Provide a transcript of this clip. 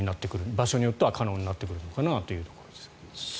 場所によっては可能になってくるのかなというところですが。